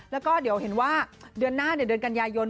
แล้วก็เดี๋ยวเห็นว่าเดือนหน้าเดือนกันยายน